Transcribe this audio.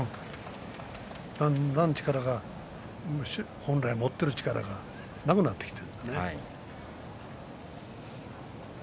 だんだん、本来持っている力がなくなってきているもんね。